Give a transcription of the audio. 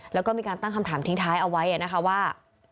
แล้วก็มีการตั้งคำถามทิ้งท้ายเอาไว้นะคะว่า